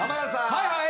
はいはい！